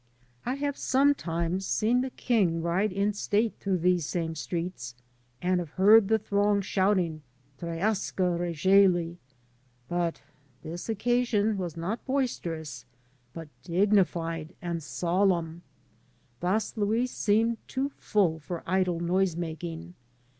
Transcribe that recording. I have sometimes seen 11 AN AMERICAN IN THE MAKING the king ride in state through these same streets, and have heard the throng shouting, ^^Trdiascd Regelet But this occasion was not boisterous, but dignified and solemn, Vaslui seemed too full for idle noisemaking.